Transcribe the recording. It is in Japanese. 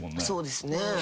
そうですね。